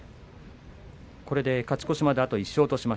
これで勝ち越しまであと１勝です。